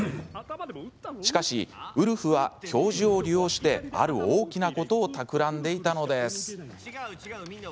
しかし、ウルフは教授を利用してある大きなことをたくらんでいたのです。